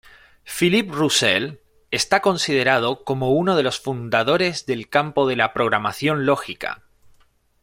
Philippe Roussel está considerado uno de los fundadores del campo de la programación lógica.